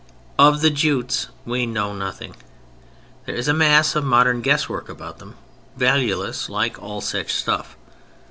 Of the Jutes we know nothing; there is a mass of modern guess work about them, valueless like all such stuff.